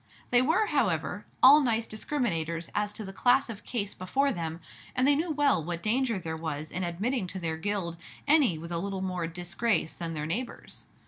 They were, however, all nice discriminators as to the class of case before them, and they knew well what danger there was in admitting to their "guild" any with a little more disgrace than their neighbors.